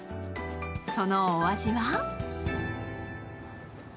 そのお味は？